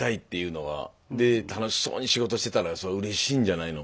で楽しそうに仕事してたらそれはうれしいんじゃないの。